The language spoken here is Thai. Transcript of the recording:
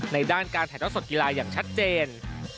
ด้านการถ่ายทอดสดกีฬาอย่างชัดเจน